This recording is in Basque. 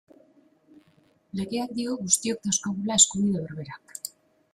Legeak dio guztiok dauzkagula eskubide berberak.